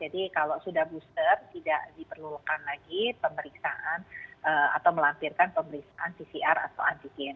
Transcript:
jadi kalau sudah booster tidak diperlukan lagi pemeriksaan atau melampirkan pemeriksaan pcr atau antigen